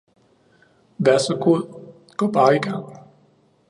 Vær så god, gå bare i gang!